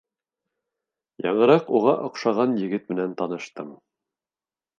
Яңыраҡ уға оҡшаған егет менән таныштым.